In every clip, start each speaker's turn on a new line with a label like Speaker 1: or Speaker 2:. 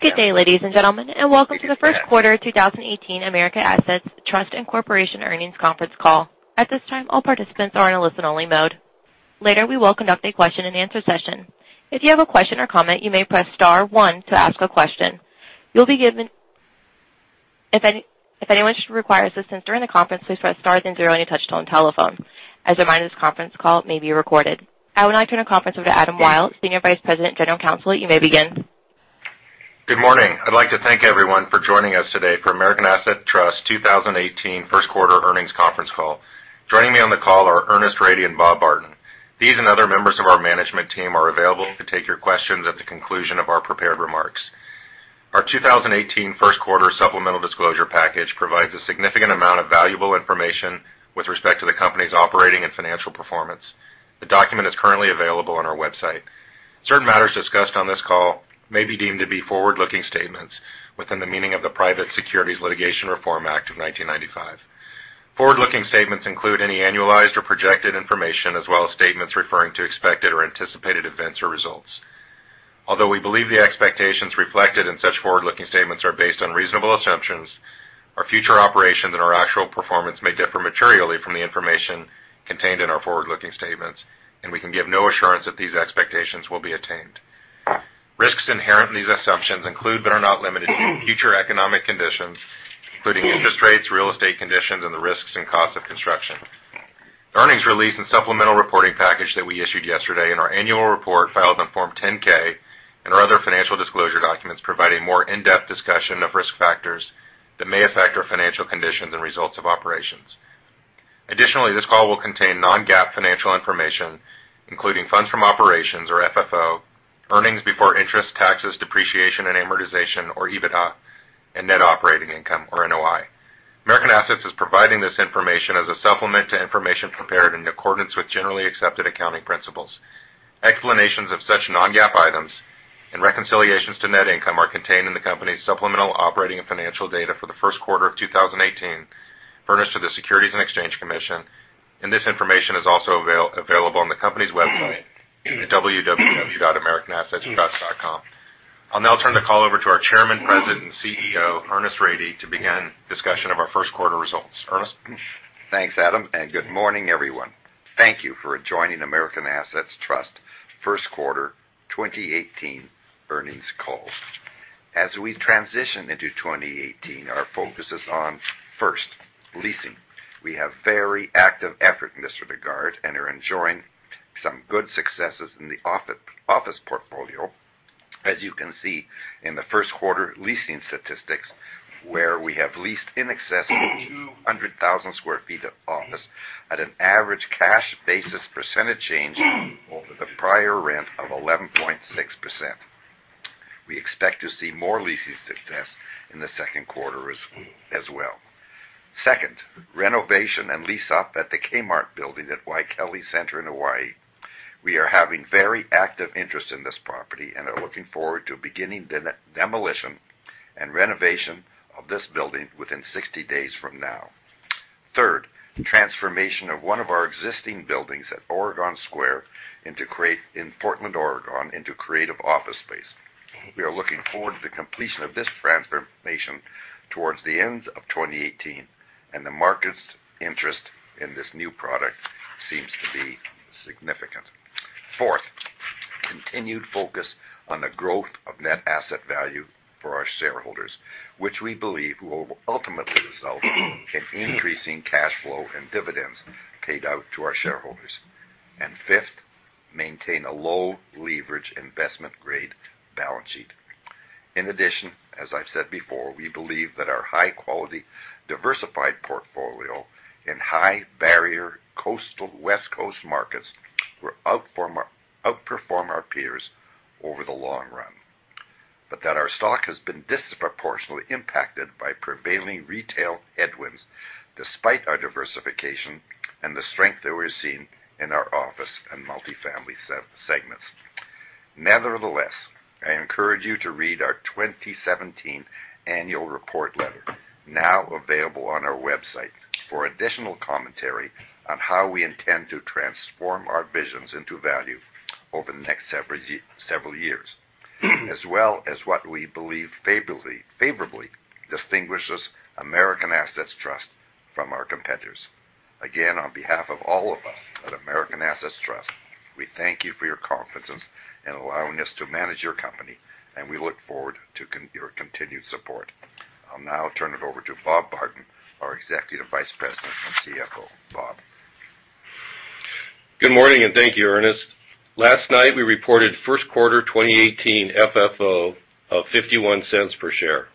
Speaker 1: Good day, ladies and gentlemen, and welcome to the first quarter 2018 American Assets Trust, Inc. earnings conference call. At this time, all participants are in a listen-only mode. Later, we will conduct a question-and-answer session. If you have a question or comment, you may press star one to ask a question. If anyone should require assistance during the conference, please press star then zero on your touch-tone telephone. As a reminder, this conference call may be recorded. I would now turn the conference over to Adam Wyll, senior vice president, general counsel. You may begin.
Speaker 2: Good morning. I'd like to thank everyone for joining us today for American Assets Trust 2018 first quarter earnings conference call. Joining me on the call are Ernest Rady and Bob Barton. These and other members of our management team are available to take your questions at the conclusion of our prepared remarks. Our 2018 first quarter supplemental disclosure package provides a significant amount of valuable information with respect to the company's operating and financial performance. The document is currently available on our website. Certain matters discussed on this call may be deemed to be forward-looking statements within the meaning of the Private Securities Litigation Reform Act of 1995. Forward-looking statements include any annualized or projected information, as well as statements referring to expected or anticipated events or results. Although we believe the expectations reflected in such forward-looking statements are based on reasonable assumptions, our future operations and our actual performance may differ materially from the information contained in our forward-looking statements, and we can give no assurance that these expectations will be attained. Risks inherent in these assumptions include but are not limited to future economic conditions, including interest rates, real estate conditions, and the risks and cost of construction. The earnings release and supplemental reporting package that we issued yesterday and our annual report filed on Form 10-K and our other financial disclosure documents provide a more in-depth discussion of risk factors that may affect our financial conditions and results of operations. Additionally, this call will contain non-GAAP financial information, including funds from operations or FFO, earnings before interest, taxes, depreciation, and amortization or EBITDA, and net operating income or NOI. American Assets is providing this information as a supplement to information prepared in accordance with generally accepted accounting principles. Explanations of such non-GAAP items and reconciliations to net income are contained in the company's supplemental operating and financial data for the first quarter of 2018, furnished to the Securities and Exchange Commission, and this information is also available on the company's website at www.americanassetstrust.com. I'll now turn the call over to our chairman, president, and CEO, Ernest Rady, to begin discussion of our first quarter results. Ernest?
Speaker 3: Thanks, Adam, and good morning, everyone. Thank you for joining American Assets Trust first quarter 2018 earnings call. As we transition into 2018, our focus is on, first, leasing. We have very active effort in this regard and are enjoying some good successes in the office portfolio. As you can see in the first quarter leasing statistics, where we have leased in excess of 200,000 square feet of office at an average cash basis percentage change over the prior rent of 11.6%. We expect to see more leasing success in the second quarter as well. Second, renovation and lease up at the Kmart building at Waikele Center in Hawaii. We are having very active interest in this property and are looking forward to beginning the demolition and renovation of this building within 60 days from now. Third, transformation of one of our existing buildings at Oregon Square in Portland, Oregon, into creative office space. We are looking forward to the completion of this transformation towards the end of 2018, and the market's interest in this new product seems to be significant. Fourth, continued focus on the growth of net asset value for our shareholders, which we believe will ultimately result in increasing cash flow and dividends paid out to our shareholders. Fifth, maintain a low leverage investment-grade balance sheet. In addition, as I've said before, we believe that our high-quality, diversified portfolio in high barrier West Coast markets will outperform our peers over the long run. That our stock has been disproportionately impacted by prevailing retail headwinds, despite our diversification and the strength that we're seeing in our office and multifamily segments. Nevertheless, I encourage you to read our 2017 annual report letter, now available on our website, for additional commentary on how we intend to transform our visions into value over the next several years, as well as what we believe favorably distinguishes American Assets Trust from our competitors. Again, on behalf of all of us at American Assets Trust, we thank you for your confidence in allowing us to manage your company, and we look forward to your continued support. I'll now turn it over to Bob Barton, our Executive Vice President and CFO. Bob?
Speaker 4: Good morning. Thank you, Ernest. Last night, we reported first quarter 2018 FFO of $0.51 per share.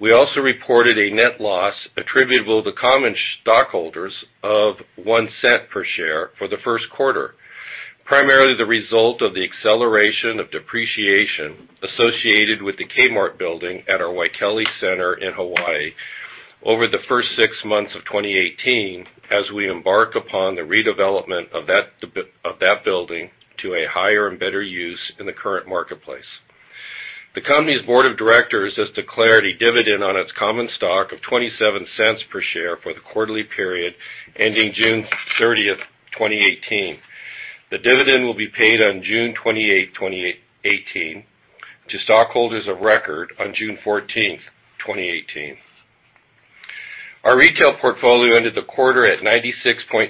Speaker 4: We also reported a net loss attributable to common stockholders of $0.01 per share for the first quarter, primarily the result of the acceleration of depreciation associated with the Kmart building at our Waikele Center in Hawaii over the first 6 months of 2018 as we embark upon the redevelopment of that building to a higher and better use in the current marketplace. The company's board of directors has declared a dividend on its common stock of $0.27 per share for the quarterly period ending June 30th, 2018. The dividend will be paid on June 28, 2018, to stockholders of record on June 14, 2018. Our retail portfolio ended the quarter at 96.6%,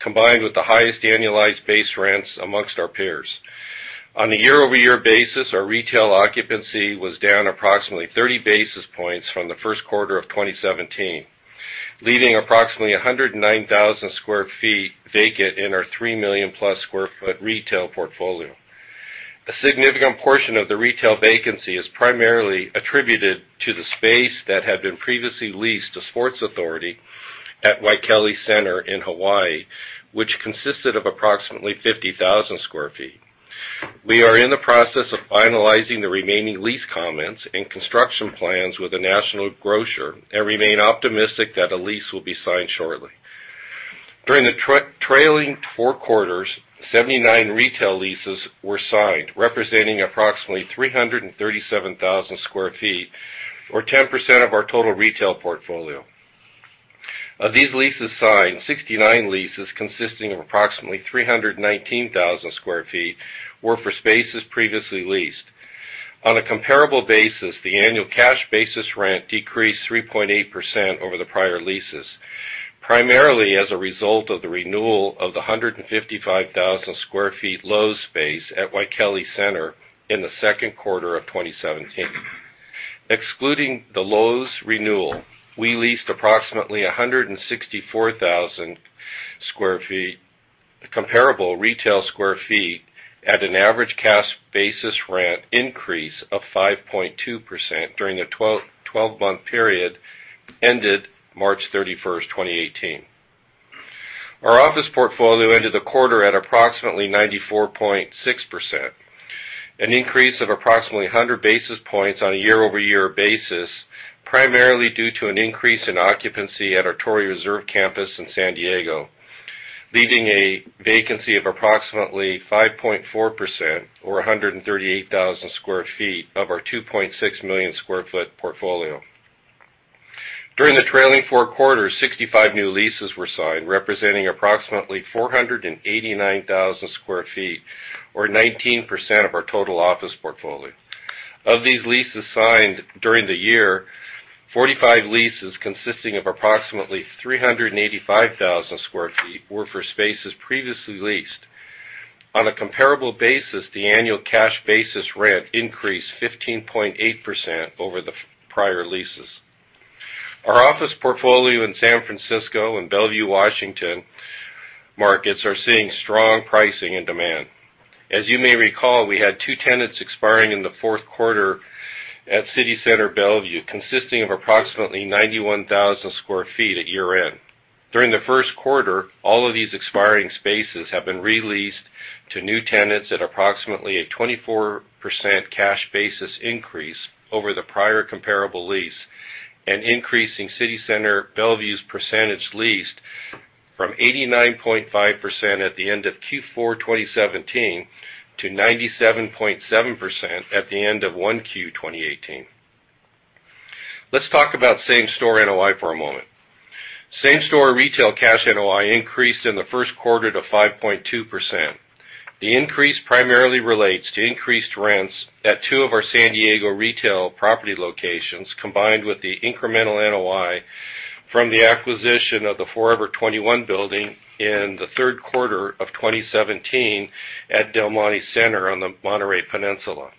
Speaker 4: combined with the highest annualized base rents amongst our peers. On a year-over-year basis, our retail occupancy was down approximately 30 basis points from the first quarter of 2017, leaving approximately 109,000 square feet vacant in our 3 million-plus square foot retail portfolio. A significant portion of the retail vacancy is primarily attributed to the space that had been previously leased to Sports Authority at Waikele Center in Hawaii, which consisted of approximately 50,000 square feet. We are in the process of finalizing the remaining lease comments and construction plans with a national grocer and remain optimistic that a lease will be signed shortly. During the trailing four quarters, 79 retail leases were signed, representing approximately 337,000 square feet or 10% of our total retail portfolio. Of these leases signed, 69 leases consisting of approximately 319,000 square feet were for spaces previously leased. On a comparable basis, the annual cash basis rent decreased 3.8% over the prior leases, primarily as a result of the renewal of the 155,000 square feet Lowe's space at Waikele Center in the second quarter of 2017. Excluding the Lowe's renewal, we leased approximately 164,000 comparable retail square feet at an average cash basis rent increase of 5.2% during the 12-month period ended March 31st, 2018. Our office portfolio ended the quarter at approximately 94.6%, an increase of approximately 100 basis points on a year-over-year basis, primarily due to an increase in occupancy at our Torrey Reserve campus in San Diego, leaving a vacancy of approximately 5.4%, or 138,000 square feet of our 2.6 million square foot portfolio. During the trailing four quarters, 65 new leases were signed representing approximately 489,000 square feet or 19% of our total office portfolio. Of these leases signed during the year, 45 leases consisting of approximately 385,000 square feet were for spaces previously leased. On a comparable basis, the annual cash basis rent increased 15.8% over the prior leases. Our office portfolio in San Francisco and Bellevue, Washington markets are seeing strong pricing and demand. As you may recall, we had two tenants expiring in the fourth quarter at City Center Bellevue, consisting of approximately 91,000 square feet at year-end. During the first quarter, all of these expiring spaces have been re-leased to new tenants at approximately a 24% cash basis increase over the prior comparable lease and increasing City Center Bellevue's percentage leased from 89.5% at the end of Q4 2017 to 97.7% at the end of 1Q 2018. Let's talk about same-store NOI for a moment. Same-store retail cash NOI increased in the first quarter to 5.2%. The increase primarily relates to increased rents at two of our San Diego retail property locations, combined with the incremental NOI from the acquisition of the Forever 21 building in the third quarter of 2017 at Del Monte Center on the Monterey Peninsula.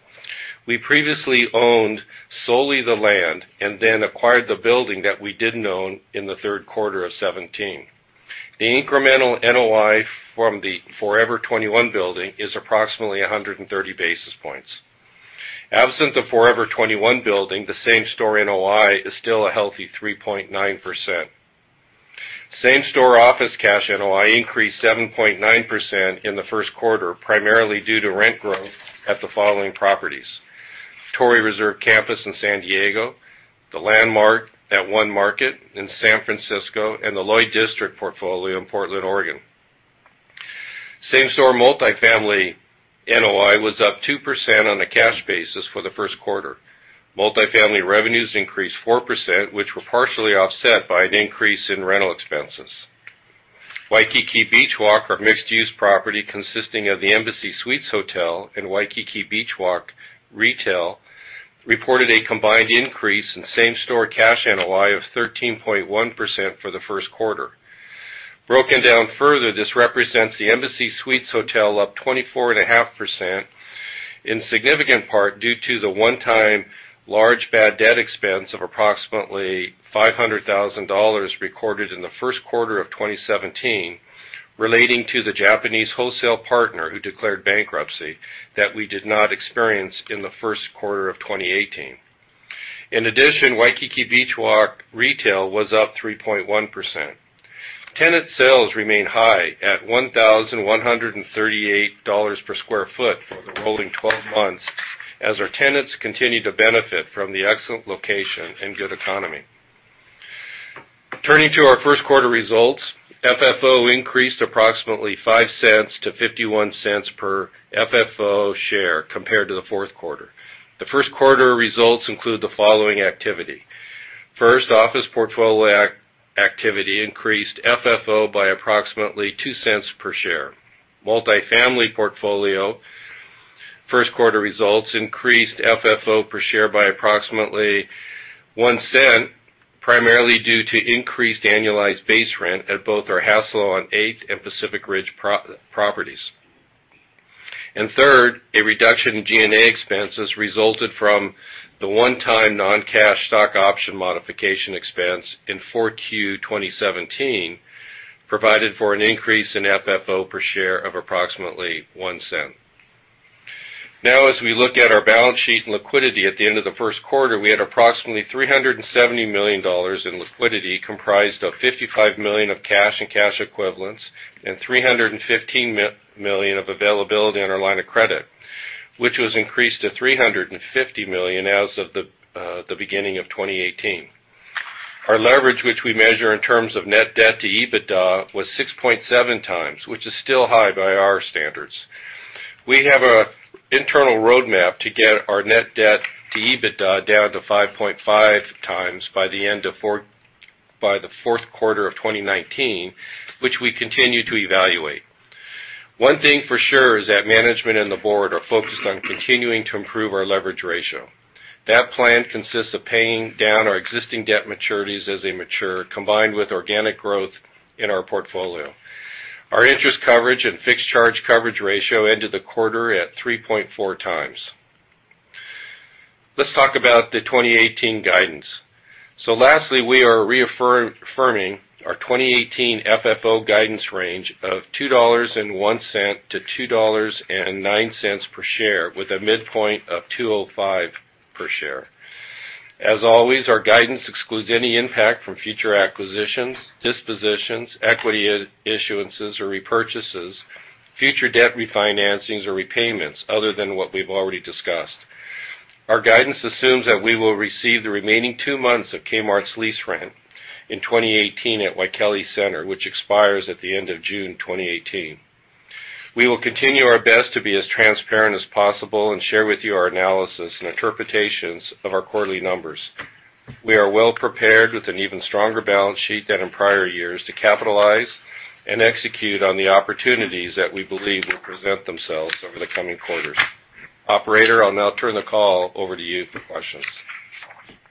Speaker 4: We previously owned solely the land and then acquired the building that we didn't own in the third quarter of 2017. The incremental NOI from the Forever 21 building is approximately 130 basis points. Absent the Forever 21 building, the same-store NOI is still a healthy 3.9%. Same-store office cash NOI increased 7.9% in the first quarter, primarily due to rent growth at the following properties: Torrey Reserve Campus in San Diego, The Landmark at One Market in San Francisco, and the Lloyd District portfolio in Portland, Oregon. Same-store multifamily NOI was up 2% on a cash basis for the first quarter. Multifamily revenues increased 4%, which were partially offset by an increase in rental expenses. Waikiki Beach Walk, our mixed-use property consisting of the Embassy Suites Hotel and Waikiki Beach Walk Retail, reported a combined increase in same-store cash NOI of 13.1% for the first quarter. Broken down further, this represents the Embassy Suites Hotel up 24.5%, in significant part due to the one-time large bad debt expense of approximately $500,000 recorded in the first quarter of 2017 relating to the Japanese wholesale partner who declared bankruptcy that we did not experience in the first quarter of 2018. In addition, Waikiki Beach Walk Retail was up 3.1%. Tenant sales remain high at $1,138 per sq ft for the rolling 12 months as our tenants continue to benefit from the excellent location and good economy. FFO increased approximately $0.05 to $0.51 per FFO share compared to the fourth quarter. The first quarter results include the following activity. Office portfolio activity increased FFO by approximately $0.02 per share. Multifamily portfolio first quarter results increased FFO per share by approximately $0.01, primarily due to increased annualized base rent at both our Hassalo on Eighth and Pacific Ridge properties. A reduction in G&A expenses resulted from the one-time non-cash stock option modification expense in 4Q 2017, provided for an increase in FFO per share of approximately $0.01. We had approximately $370 million in liquidity, comprised of $55 million of cash and cash equivalents and $315 million of availability on our line of credit, which was increased to $350 million as of the beginning of 2018. Our leverage, which we measure in terms of net debt to EBITDA, was 6.7 times, which is still high by our standards. We have an internal roadmap to get our net debt to EBITDA down to 5.5 times by the end of the fourth quarter of 2019, which we continue to evaluate. One thing for sure is that management and the board are focused on continuing to improve our leverage ratio. That plan consists of paying down our existing debt maturities as they mature, combined with organic growth in our portfolio. Our interest coverage and fixed charge coverage ratio ended the quarter at 3.4 times. Let's talk about the 2018 guidance. Lastly, we are reaffirming our 2018 FFO guidance range of $2.01-$2.09 per share, with a midpoint of $2.05 per share. As always, our guidance excludes any impact from future acquisitions, dispositions, equity issuances or repurchases, future debt refinancings or repayments other than what we've already discussed. Our guidance assumes that we will receive the remaining two months of Kmart's lease rent in 2018 at Waikele Center, which expires at the end of June 2018. We will continue our best to be as transparent as possible and share with you our analysis and interpretations of our quarterly numbers. We are well-prepared with an even stronger balance sheet than in prior years to capitalize and execute on the opportunities that we believe will present themselves over the coming quarters. Operator, I'll now turn the call over to you for questions.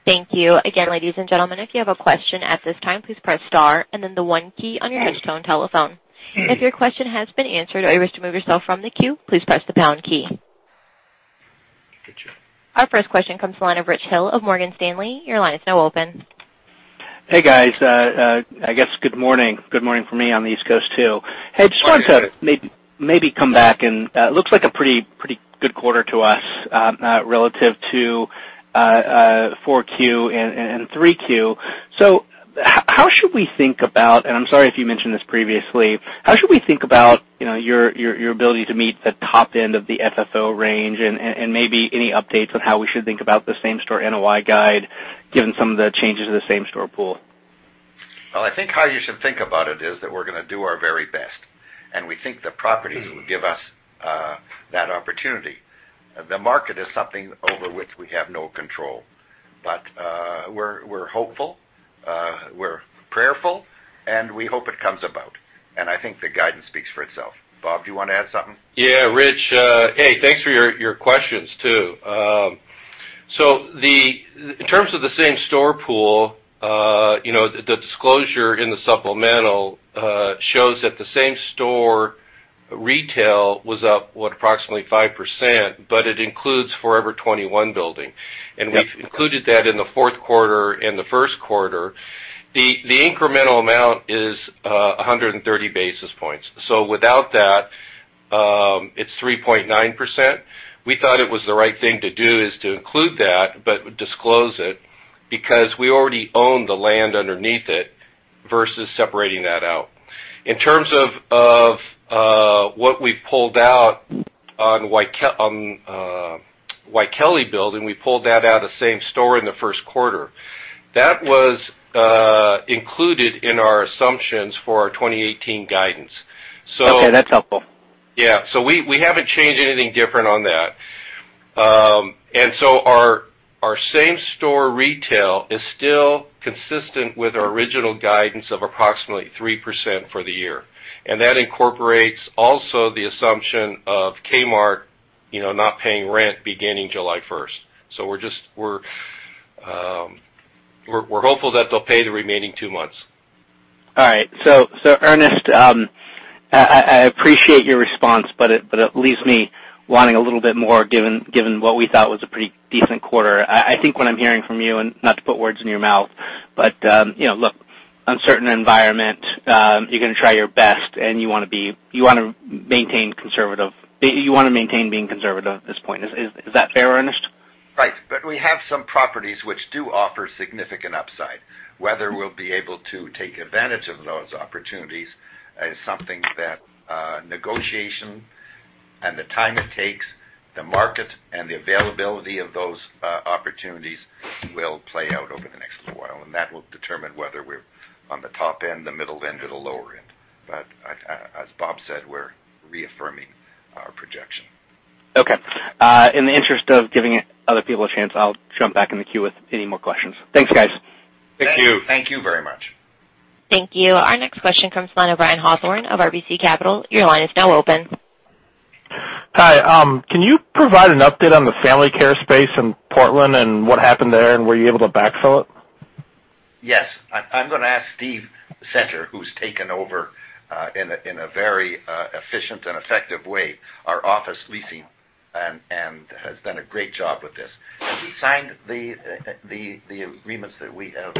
Speaker 1: Thank you. Again, ladies and gentlemen, if you have a question at this time, please press star and then the one key on your touchtone telephone. If your question has been answered or you wish to remove yourself from the queue, please press the pound key. Our first question comes the line of Richard Hill of Morgan Stanley. Your line is now open.
Speaker 5: Hey, guys. I guess good morning. Good morning for me on the East Coast, too.
Speaker 4: Morning.
Speaker 5: Hey, just wanted to maybe come back, and looks like a pretty good quarter to us relative to 4Q and 3Q. How should we think about, and I'm sorry if you mentioned this previously, how should we think about your ability to meet the top end of the FFO range? Maybe any updates on how we should think about the same-store NOI guide, given some of the changes in the same-store pool?
Speaker 3: I think how you should think about it is that we're going to do our very best, and we think the properties will give us that opportunity. The market is something over which we have no control. We're hopeful, we're prayerful, and we hope it comes about. I think the guidance speaks for itself. Bob, do you want to add something?
Speaker 4: Yeah, Rich. Hey, thanks for your questions, too. In terms of the same-store pool, the disclosure in the supplemental shows that the same-store retail was up approximately 5%, but it includes Forever 21 building. We've included that in the fourth quarter and the first quarter. The incremental amount is 130 basis points. Without that, it's 3.9%. We thought it was the right thing to do is to include that, but disclose it, because we already own the land underneath it, versus separating that out. In terms of what we've pulled out on Waikele building, we pulled that out of same store in the first quarter. That was included in our assumptions for our 2018 guidance.
Speaker 5: Okay, that's helpful.
Speaker 4: Yeah. We haven't changed anything different on that. Our same-store retail is still consistent with our original guidance of approximately 3% for the year. That incorporates also the assumption of Kmart not paying rent beginning July 1st. We're hopeful that they'll pay the remaining two months.
Speaker 5: All right. Ernest, I appreciate your response, it leaves me wanting a little bit more, given what we thought was a pretty decent quarter. I think what I'm hearing from you, and not to put words in your mouth, look, uncertain environment, you're going to try your best, you want to maintain being conservative at this point. Is that fair, Ernest?
Speaker 3: Right. We have some properties which do offer significant upside. Whether we'll be able to take advantage of those opportunities is something that negotiation and the time it takes, the market, and the availability of those opportunities will play out over the next little while. That will determine whether we're on the top end, the middle end, or the lower end. As Bob said, we're reaffirming our projection.
Speaker 5: Okay. In the interest of giving other people a chance, I'll jump back in the queue with any more questions. Thanks, guys.
Speaker 4: Thank you.
Speaker 3: Thank you very much.
Speaker 1: Thank you. Our next question comes from the line of Brian Hawthorne of RBC Capital. Your line is now open.
Speaker 6: Hi. Can you provide an update on the FamilyCare space in Portland and what happened there, and were you able to backfill it?
Speaker 3: Yes. I'm going to ask Steve Center, who's taken over, in a very efficient and effective way, our office leasing, and has done a great job with this. He signed the agreements that we have.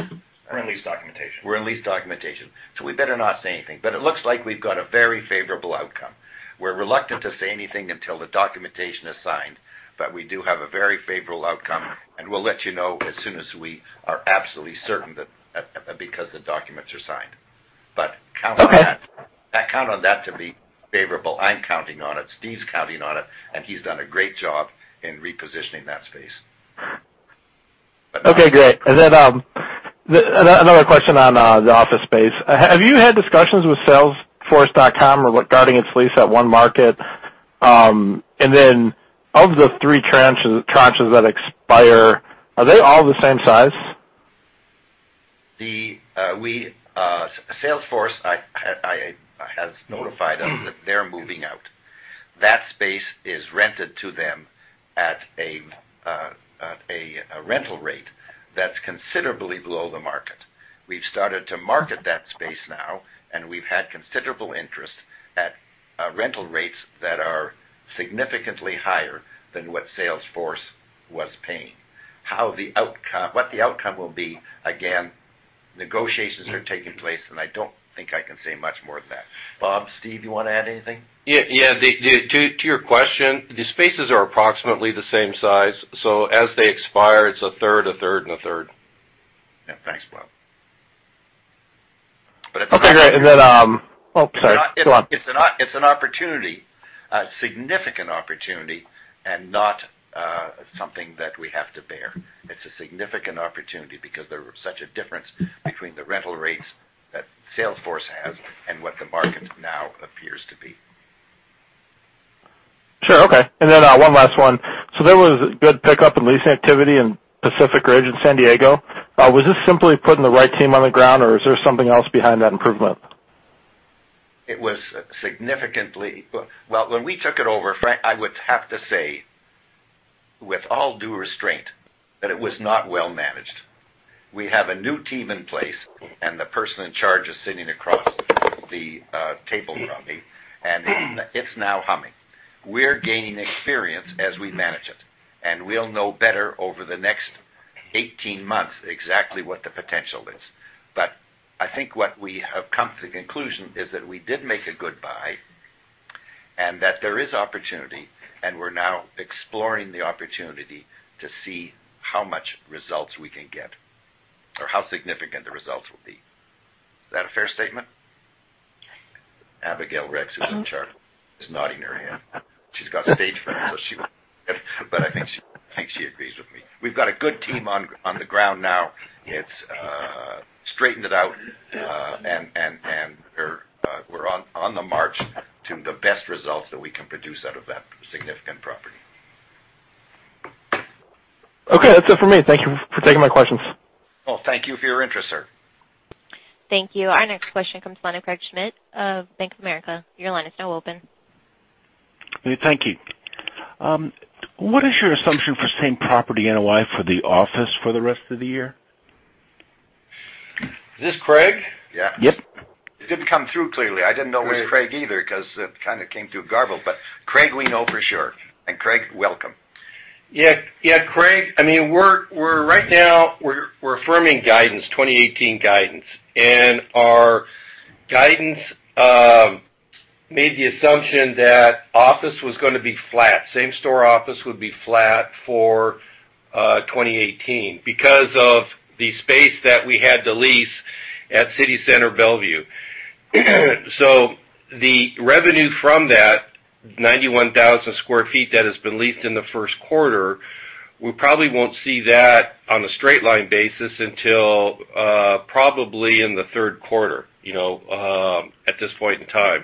Speaker 4: We're in lease documentation.
Speaker 3: We're in lease documentation. We better not say anything. It looks like we've got a very favorable outcome. We're reluctant to say anything until the documentation is signed. We do have a very favorable outcome, and we'll let you know as soon as we are absolutely certain, because the documents are signed. Count on that-
Speaker 6: Okay
Speaker 3: Count on that to be favorable. I'm counting on it. Steve's counting on it. He's done a great job in repositioning that space.
Speaker 6: Okay, great. Another question on the office space. Have you had discussions with salesforce.com regarding its lease at one market? Of the three tranches that expire, are they all the same size?
Speaker 3: Salesforce has notified us that they're moving out. That space is rented to them at a rental rate that's considerably below the market. We've started to market that space now, and we've had considerable interest at rental rates that are significantly higher than what Salesforce was paying. What the outcome will be, again, negotiations are taking place, and I don't think I can say much more than that. Bob, Steve, you want to add anything?
Speaker 4: Yeah. To your question, the spaces are approximately the same size, so as they expire, it's a third, a third, and a third.
Speaker 3: Yeah. Thanks, Bob.
Speaker 6: Okay, great. Oh, sorry. Go on.
Speaker 3: It's an opportunity, a significant opportunity, and not something that we have to bear. It's a significant opportunity because there is such a difference between the rental rates that Salesforce has and what the market now appears to be.
Speaker 6: Sure. Okay. One last one. There was a good pickup in leasing activity in Pacific Ridge in San Diego. Was this simply putting the right team on the ground, or is there something else behind that improvement?
Speaker 3: It was significantly Well, when we took it over, Frank, I would have to say, with all due restraint, that it was not well managed. We have a new team in place, and the person in charge is sitting across the table from me, and it's now humming. We're gaining experience as we manage it, and we'll know better over the next 18 months exactly what the potential is. I think what we have come to the conclusion is that we did make a good buy, and that there is opportunity, and we're now exploring the opportunity to see how much results we can get or how significant the results will be. Is that a fair statement? Abigail Rex, who's in charge, is nodding her head. She's got stage fright. I think she agrees with me. We've got a good team on the ground now. It's straightened out, and we're on the march to the best results that we can produce out of that significant property.
Speaker 6: Okay, that's it for me. Thank you for taking my questions.
Speaker 3: Well, thank you for your interest, sir.
Speaker 1: Thank you. Our next question comes from the line of Craig Schmidt of Bank of America. Your line is now open.
Speaker 7: Thank you. What is your assumption for same property NOI for the office for the rest of the year?
Speaker 4: Is this Craig?
Speaker 3: Yeah.
Speaker 7: Yep.
Speaker 3: It didn't come through clearly. I didn't know it was Craig either because it kind of came through garbled. Craig we know for sure. Craig, welcome.
Speaker 4: Yeah. Craig, right now, we're affirming guidance, 2018 guidance. Our guidance made the assumption that office was going to be flat. Same store office would be flat for 2018 because of the space that we had to lease at City Center Bellevue. The revenue from that 91,000 square feet that has been leased in the first quarter, we probably won't see that on a straight line basis until probably in the third quarter, at this point in time.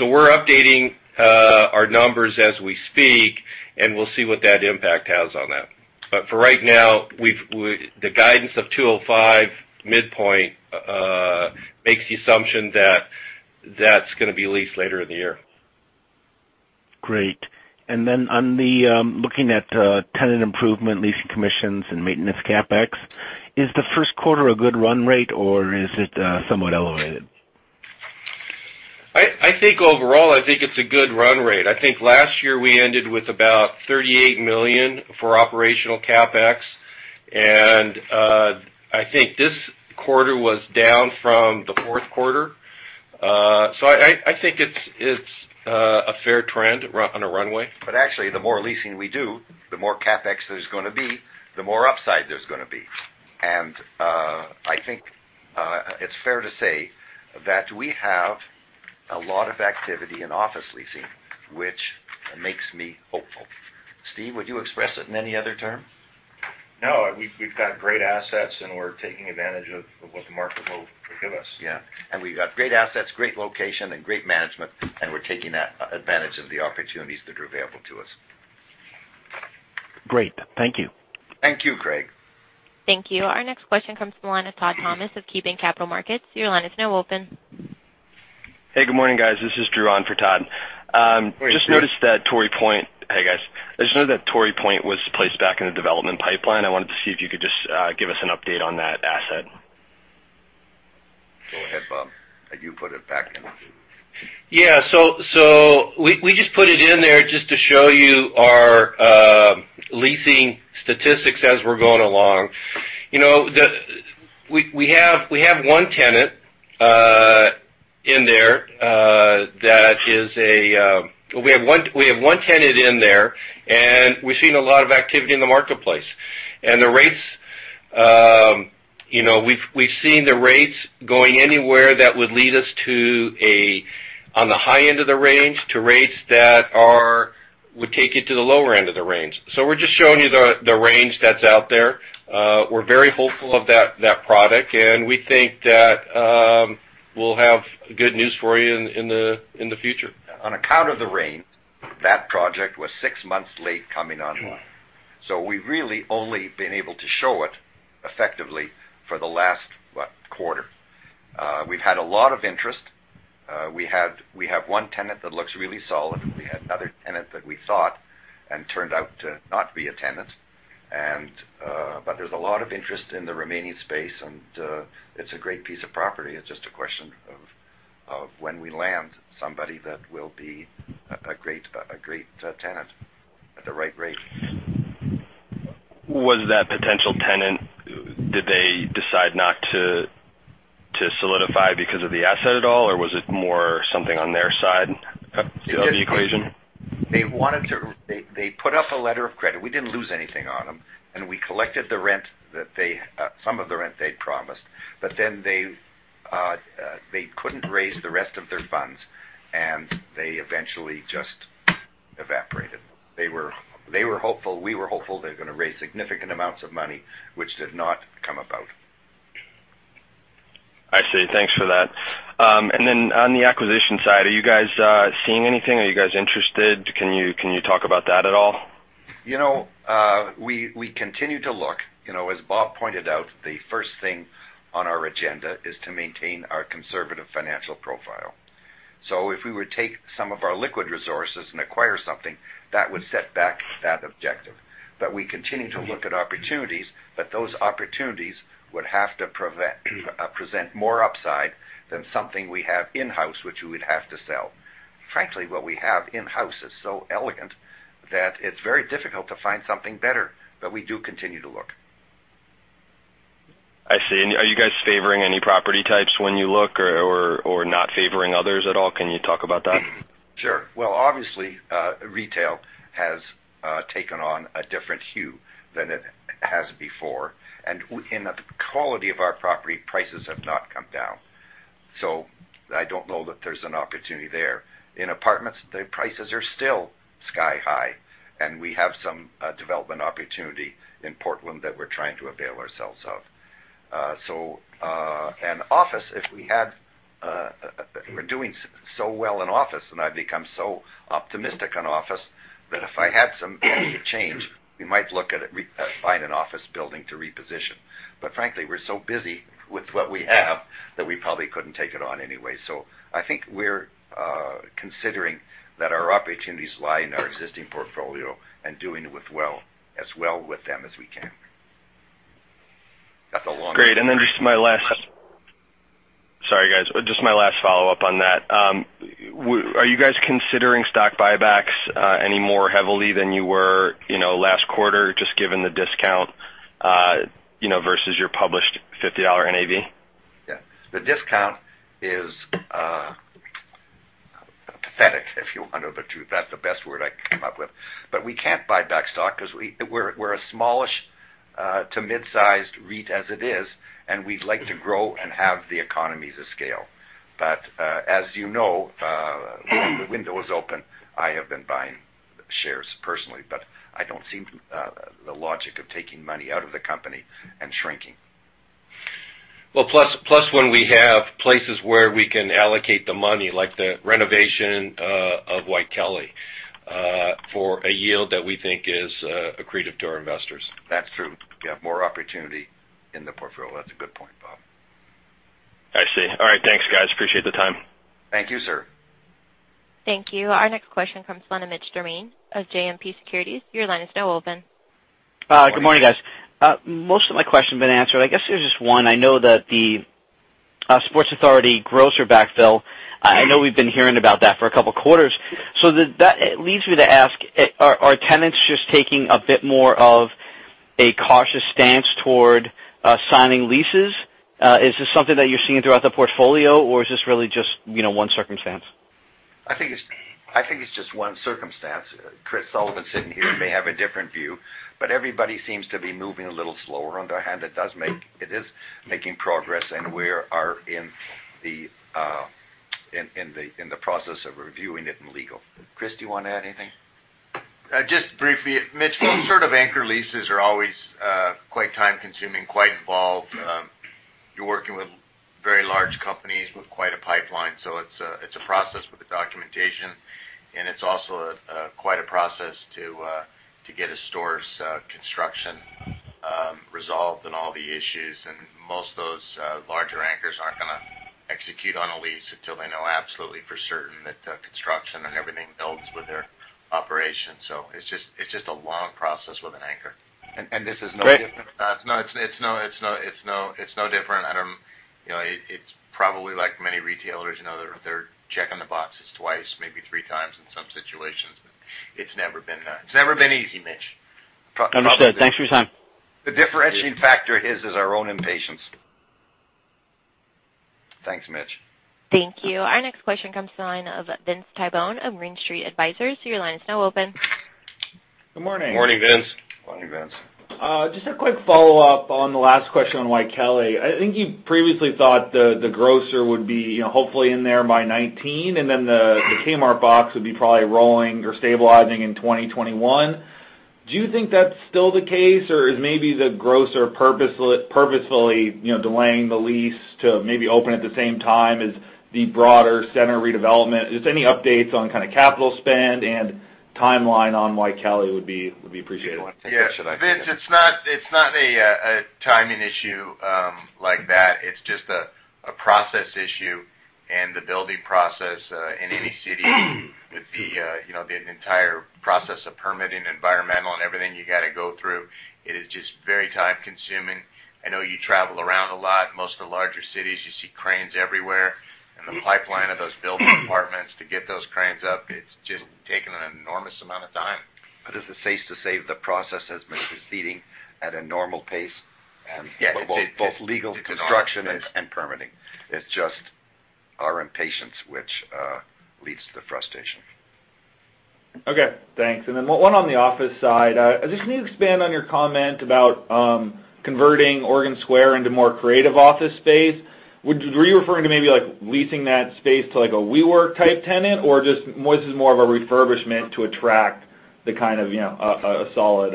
Speaker 4: We're updating our numbers as we speak, and we'll see what that impact has on that. For right now, the guidance of $205 midpoint makes the assumption that that's going to be leased later in the year.
Speaker 7: Great. Then, looking at tenant improvement, leasing commissions, and maintenance CapEx, is the first quarter a good run rate, or is it somewhat elevated?
Speaker 4: I think overall, I think it's a good run rate. I think last year we ended with about $38 million for operational CapEx. I think this quarter was down from the fourth quarter. I think it's a fair trend on a runway.
Speaker 3: Actually, the more leasing we do, the more CapEx there's going to be, the more upside there's going to be. I think it's fair to say that we have a lot of activity in office leasing, which makes me hopeful. Steve, would you express it in any other term?
Speaker 4: No, we've got great assets, and we're taking advantage of what the market will give us.
Speaker 3: Yeah. We've got great assets, great location, and great management, and we're taking advantage of the opportunities that are available to us.
Speaker 7: Great. Thank you.
Speaker 3: Thank you, Craig.
Speaker 1: Thank you. Our next question comes from the line of Todd Thomas of Keefe, Bruyette & Woods. Your line is now open.
Speaker 8: Hey, good morning, guys. This is Drew on for Todd.
Speaker 3: Good morning.
Speaker 8: Hey, guys. I just noted that Torrey Point was placed back in the development pipeline. I wanted to see if you could just give us an update on that asset.
Speaker 3: Go ahead, Bob. I do put it back in.
Speaker 4: Yeah. We just put it in there just to show you our leasing statistics as we're going along. We have one tenant in there, and we've seen a lot of activity in the marketplace. The rates, we've seen the rates going anywhere that would lead us to on the high end of the range to rates that would take you to the lower end of the range. We're just showing you the range that's out there. We're very hopeful of that product, and we think that we'll have good news for you in the future.
Speaker 3: On account of the range, that project was six months late coming online. We've really only been able to show it effectively for the last, what, quarter. We've had a lot of interest. We have one tenant that looks really solid. We had another tenant that we thought and turned out to not be a tenant. There's a lot of interest in the remaining space, and it's a great piece of property. It's just a question of when we land somebody that will be a great tenant at the right rate.
Speaker 8: Was that potential tenant, did they decide not to solidify because of the asset at all, or was it more something on their side of the equation?
Speaker 3: They put up a letter of credit. We didn't lose anything on them, and we collected some of the rent they'd promised. They couldn't raise the rest of their funds, and they eventually just evaporated. They were hopeful, we were hopeful they were going to raise significant amounts of money, which did not come about.
Speaker 8: I see. Thanks for that. On the acquisition side, are you guys seeing anything? Are you guys interested? Can you talk about that at all?
Speaker 3: We continue to look. As Bob pointed out, the first thing on our agenda is to maintain our conservative financial profile. If we were to take some of our liquid resources and acquire something, that would set back that objective. We continue to look at opportunities, those opportunities would have to present more upside than something we have in-house, which we would have to sell. Frankly, what we have in-house is so elegant that it's very difficult to find something better, we do continue to look.
Speaker 8: I see. Are you guys favoring any property types when you look or not favoring others at all? Can you talk about that?
Speaker 3: Sure. Well, obviously, retail has taken on a different hue than it has before, the quality of our property prices have not come down. I don't know that there's an opportunity there. In apartments, the prices are still sky-high, we have some development opportunity in Portland that we're trying to avail ourselves of. Office, we're doing so well in office, I've become so optimistic on office that if I had some change, we might look at it, find an office building to reposition. Frankly, we're so busy with what we have that we probably couldn't take it on anyway. I think we're considering that our opportunities lie in our existing portfolio and doing as well with them as we can. That's a long answer.
Speaker 8: Great. Just my last-- Sorry, guys. Just my last follow-up on that. Are you guys considering stock buybacks any more heavily than you were last quarter, just given the discount versus your published $50 NAV?
Speaker 3: Yeah. The discount is pathetic, if you want to know the truth. That's the best word I can come up with. We can't buy back stock because we're a smallish to mid-sized REIT as it is, and we'd like to grow and have the economies of scale. As you know, when the window is open, I have been buying shares personally, but I don't see the logic of taking money out of the company and shrinking.
Speaker 4: Plus when we have places where we can allocate the money, like the renovation of Waikele, for a yield that we think is accretive to our investors.
Speaker 3: That's true. We have more opportunity in the portfolio. That's a good point, Bob.
Speaker 8: I see. All right. Thanks, guys. Appreciate the time.
Speaker 3: Thank you, sir.
Speaker 1: Thank you. Our next question comes from the line of Mitch Germain of JMP Securities. Your line is now open.
Speaker 9: Good morning. Good morning, guys. Most of my questions have been answered. I guess there's just one. I know that the Sports Authority grocer backfill, I know we've been hearing about that for a couple of quarters. That leads me to ask, are tenants just taking a bit more of a cautious stance toward signing leases? Is this something that you're seeing throughout the portfolio, or is this really just one circumstance?
Speaker 3: I think it's just one circumstance. Chris Sullivan sitting here may have a different view, Everybody seems to be moving a little slower. On the other hand, it is making progress, and we are in the process of reviewing it in legal. Chris, do you want to add anything?
Speaker 10: Just briefly, Mitch. Those sort of anchor leases are always quite time-consuming, quite involved. You're working with very large companies with quite a pipeline, so it's a process with the documentation, and it's also quite a process to get a store's construction resolved and all the issues. Most of those larger anchors aren't going to execute on a lease until they know absolutely for certain that the construction and everything else with their operations. It's just a long process with an anchor.
Speaker 3: This is no different-
Speaker 10: It's no different. It's probably like many retailers, they're checking the boxes twice, maybe three times in some situations. It's never been easy, Mitch.
Speaker 9: Understood. Thanks for your time.
Speaker 3: The differentiating factor is our own impatience. Thanks, Mitch.
Speaker 1: Thank you. Our next question comes to the line of Vince Tibone of Green Street Advisors. Your line is now open.
Speaker 11: Good morning.
Speaker 4: Morning, Vince.
Speaker 3: Morning, Vince.
Speaker 11: Just a quick follow-up on the last question on Waikele. I think you previously thought the grocer would be hopefully in there by 2019, and then the Kmart box would be probably rolling or stabilizing in 2021. Do you think that's still the case, or is maybe the grocer purposefully delaying the lease to maybe open at the same time as the broader center redevelopment? Just any updates on capital spend and timeline on Waikele would be appreciated.
Speaker 3: Do you want to take that, should I take it?
Speaker 4: Vince, it's not a timing issue like that. It's just a process issue. The building process in any city with the entire process of permitting environmental and everything you got to go through, it is just very time-consuming. I know you travel around a lot. Most of the larger cities, you see cranes everywhere. The pipeline of those building departments to get those cranes up, it's just taken an enormous amount of time.
Speaker 3: Is it safe to say the process has been proceeding at a normal pace?
Speaker 4: Yes.
Speaker 3: Both legal, construction, and permitting. It's just our impatience which leads to the frustration.
Speaker 11: Okay, thanks. One on the office side. Just can you expand on your comment about converting Oregon Square into more creative office space? Were you referring to maybe leasing that space to a WeWork type tenant, or this is more of a refurbishment to attract a solid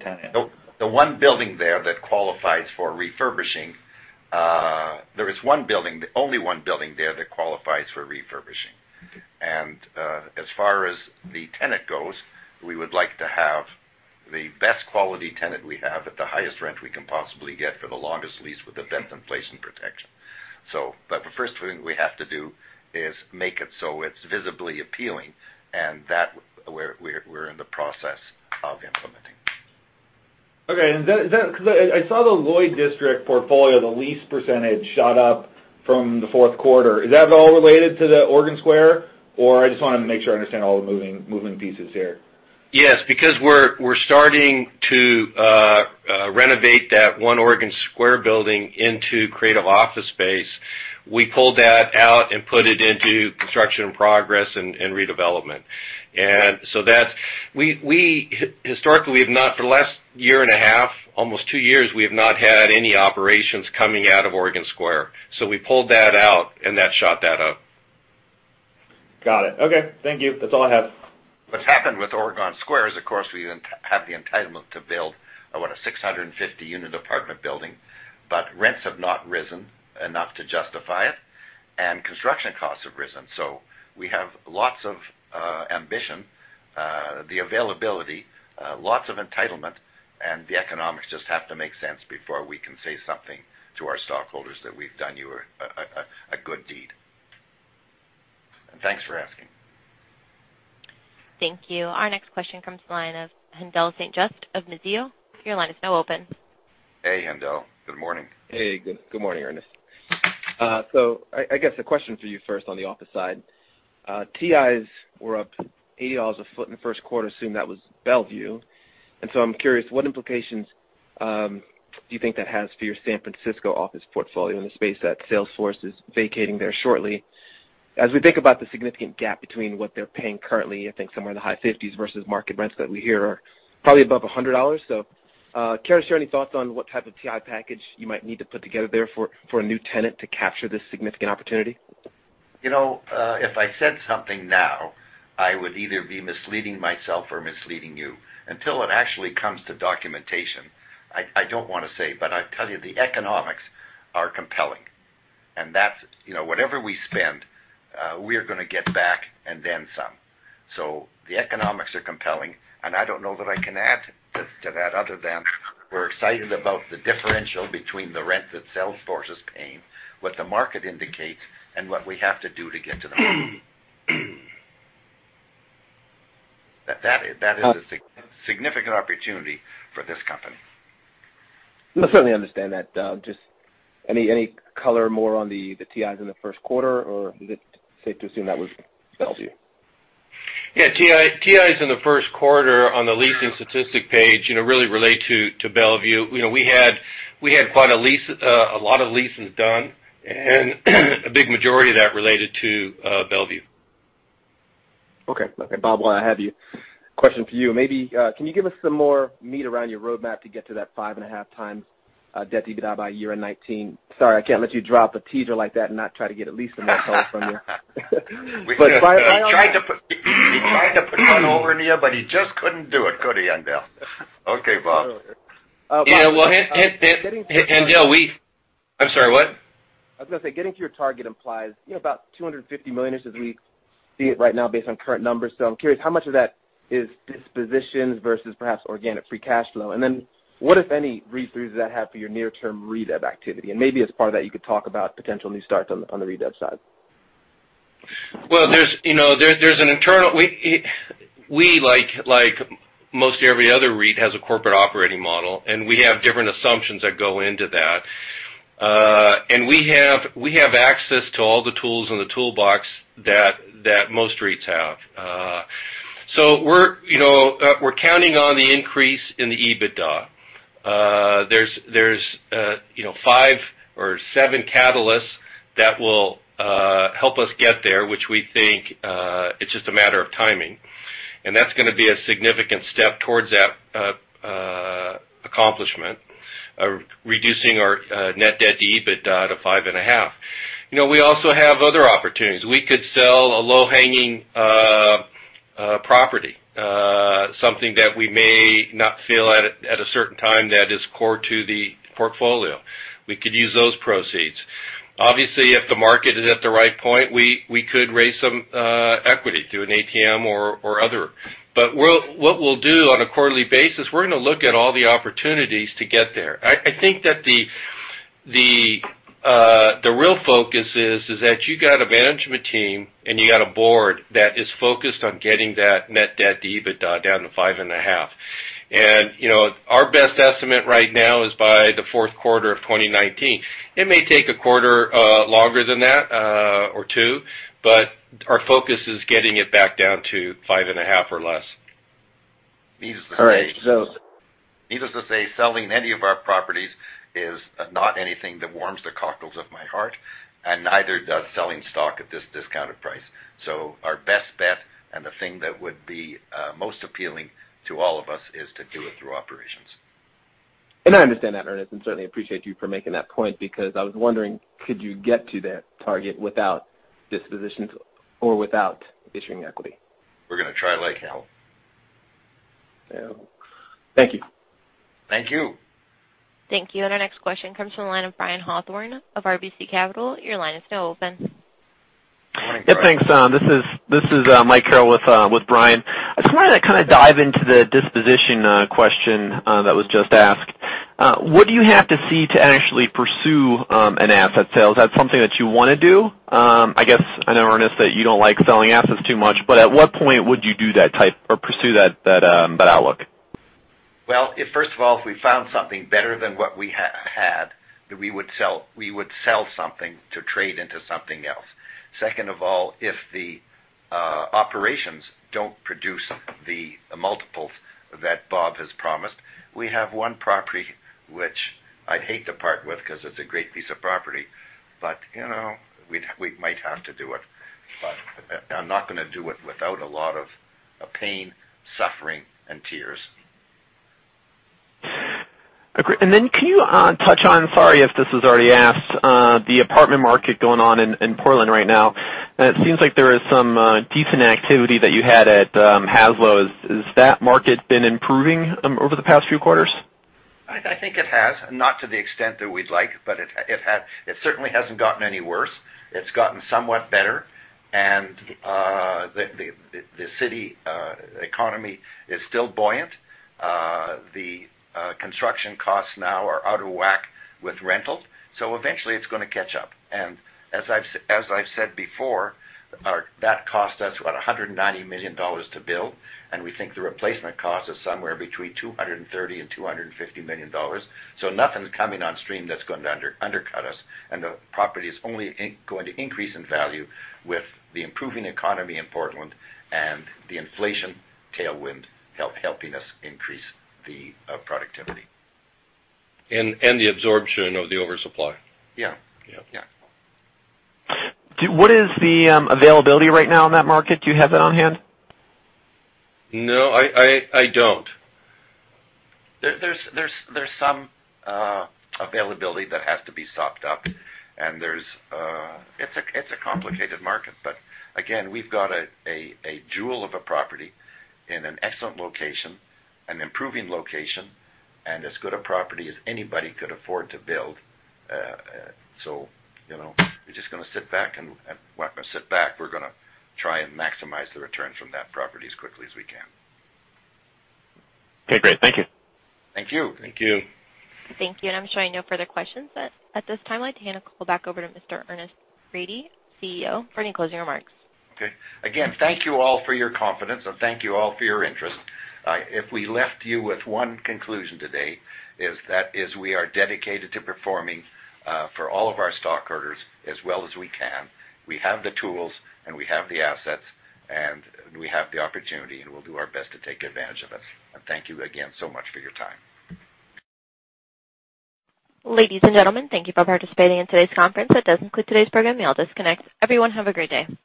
Speaker 11: tenant?
Speaker 3: The one building there that qualifies for refurbishing. There is one building, the only one building there that qualifies for refurbishing. As far as the tenant goes, we would like to have the best quality tenant we have at the highest rent we can possibly get for the longest lease with a bent in place and protection. The first thing we have to do is make it so it's visibly appealing, and that we're in the process of implementing.
Speaker 11: Okay. I saw the Lloyd District portfolio, the lease percentage shot up from the fourth quarter. Is that at all related to the Oregon Square, or I just wanted to make sure I understand all the moving pieces here.
Speaker 4: Yes, because we're starting to renovate that one Oregon Square building into creative office space. We pulled that out and put it into construction progress and redevelopment. We historically have not, for the last year and a half, almost two years, we have not had any operations coming out of Oregon Square. We pulled that out, and that shot that up.
Speaker 11: Got it. Okay. Thank you. That's all I have.
Speaker 3: What's happened with Oregon Square is, of course, we have the entitlement to build, what, a 650-unit apartment building. Rents have not risen enough to justify it, and construction costs have risen. We have lots of ambition, the availability, lots of entitlement, and the economics just have to make sense before we can say something to our stockholders that we've done you a good deed. Thanks for asking.
Speaker 1: Thank you. Our next question comes from the line of Haendel St. Juste of Mizuho. Your line is now open.
Speaker 3: Hey, Haendel. Good morning.
Speaker 12: Hey. Good morning, Ernest. I guess a question for you first on the office side. TIs were up $80 a foot in the first quarter, assume that was Bellevue. I'm curious, what implications do you think that has for your San Francisco office portfolio in the space that Salesforce is vacating there shortly? As we think about the significant gap between what they're paying currently, I think somewhere in the high 50s versus market rents that we hear are probably above $100. Care to share any thoughts on what type of TI package you might need to put together there for a new tenant to capture this significant opportunity?
Speaker 3: I said something now, I would either be misleading myself or misleading you. Until it actually comes to documentation, I don't want to say. I tell you, the economics are compelling. That's whatever we spend, we are going to get back and then some. The economics are compelling, and I don't know that I can add to that other than we're excited about the differential between the rent that Salesforce is paying, what the market indicates, and what we have to do to get to the money. That is a significant opportunity for this company.
Speaker 12: No, certainly understand that. Just any color more on the TIs in the first quarter, or is it safe to assume that was Bellevue?
Speaker 4: Yeah. TIs in the first quarter on the leasing statistic page really relate to Bellevue. We had quite a lot of leasings done and a big majority of that related to Bellevue.
Speaker 12: Okay. Bob, while I have you, question for you. Maybe can you give us some more meat around your roadmap to get to that 5.5x debt to EBITDA by year-end 2019? Sorry, I can't let you drop a teaser like that and not try to get at least some more color from you.
Speaker 3: He tried to put one over me, yeah, he just couldn't do it, could he, Haendel? Okay, Bob.
Speaker 12: Totally.
Speaker 4: Yeah, well, Haendel, I'm sorry, what?
Speaker 12: I was going to say, getting to your target implies about $250 million-ish as we see it right now based on current numbers. I'm curious how much of that is dispositions versus perhaps organic free cash flow? What, if any, read-through does that have for your near-term redev activity? Maybe as part of that, you could talk about potential new starts on the redev side.
Speaker 4: Well, there's an internal We, like most every other REIT, has a corporate operating model, we have different assumptions that go into that. We have access to all the tools in the toolbox that most REITs have. We're counting on the increase in the EBITDA. There's five or seven catalysts that will help us get there, which we think it's just a matter of timing. That's going to be a significant step towards that accomplishment of reducing our net debt to EBITDA to five and a half. We also have other opportunities. We could sell a low-hanging property, something that we may not feel at a certain time that is core to the portfolio. We could use those proceeds. Obviously, if the market is at the right point, we could raise some equity through an ATM or other. What we'll do on a quarterly basis, we're going to look at all the opportunities to get there. I think that the real focus is that you got a management team, and you got a board that is focused on getting that net debt to EBITDA down to 5.5. Our best estimate right now is by the fourth quarter of 2019. It may take a quarter longer than that or 2, but our focus is getting it back down to 5.5 or less.
Speaker 3: Needless to say, selling any of our properties is not anything that warms the cockles of my heart, and neither does selling stock at this discounted price. Our best bet and the thing that would be most appealing to all of us is to do it through operations.
Speaker 12: I understand that, Ernest, and certainly appreciate you for making that point because I was wondering, could you get to that target without dispositions or without issuing equity?
Speaker 3: We're going to try like hell.
Speaker 12: Thank you.
Speaker 3: Thank you.
Speaker 1: Thank you. Our next question comes from the line of Brian Hawthorne of RBC Capital. Your line is now open.
Speaker 13: Good thanks. This is Michael Carroll with Brian. I just wanted to kind of dive into the disposition question that was just asked. What do you have to see to actually pursue an asset sale? Is that something that you want to do? I guess I know, Ernest, that you don't like selling assets too much, but at what point would you do that type or pursue that outlook?
Speaker 3: First of all, if we found something better than what we had, we would sell something to trade into something else. Second of all, if the operations don't produce the multiples that Bob has promised, we have one property which I'd hate to part with because it's a great piece of property, but we might have to do it. I'm not going to do it without a lot of pain, suffering, and tears.
Speaker 13: Agree. Can you touch on, sorry if this was already asked, the apartment market going on in Portland right now. It seems like there is some decent activity that you had at Hassalo. Has that market been improving over the past few quarters?
Speaker 3: I think it has. Not to the extent that we'd like, but it certainly hasn't gotten any worse. It's gotten somewhat better, and the city economy is still buoyant. The construction costs now are out of whack with rental, so eventually it's going to catch up. As I've said before, that cost us about $190 million to build, and we think the replacement cost is somewhere between $230 million and $250 million. Nothing's coming on stream that's going to undercut us, and the property is only going to increase in value with the improving economy in Portland and the inflation tailwind helping us increase the productivity.
Speaker 4: The absorption of the oversupply.
Speaker 3: Yeah.
Speaker 4: Yeah.
Speaker 3: Yeah.
Speaker 13: What is the availability right now in that market? Do you have that on hand?
Speaker 4: No, I don't.
Speaker 3: There's some availability that has to be sopped up, and it's a complicated market. Again, we've got a jewel of a property in an excellent location, an improving location, and as good a property as anybody could afford to build. We're just going to sit back. We're going to try and maximize the return from that property as quickly as we can.
Speaker 13: Okay, great. Thank you.
Speaker 3: Thank you.
Speaker 4: Thank you.
Speaker 1: Thank you. I'm showing no further questions. At this time, I'd like to hand the call back over to Mr. Ernest Rady, CEO, for any closing remarks.
Speaker 3: Okay. Again, thank you all for your confidence, and thank you all for your interest. If we left you with one conclusion today, that is we are dedicated to performing for all of our stockholders as well as we can. We have the tools, and we have the assets, and we have the opportunity, and we'll do our best to take advantage of it. Thank you again so much for your time.
Speaker 1: Ladies and gentlemen, thank you for participating in today's conference. That does conclude today's program. You may all disconnect. Everyone have a great day.